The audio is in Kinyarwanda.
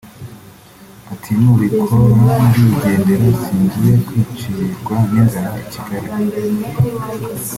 Ati “Nubikora ndigendera singiye kwicirwa n’inzara i kigali